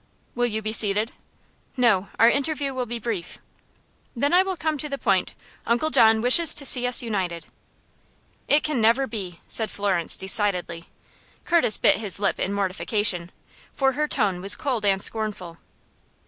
"Will you be seated?" "No; our interview will be brief." "Then I will come to the point. Uncle John wishes to see us united." "It can never be!" said Florence, decidedly. Curtis bit his lip in mortification, for her tone was cold and scornful.